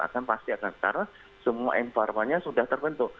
karena semua environmentnya sudah terbentuk